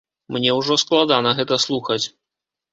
Мне ўжо складана гэта слухаць.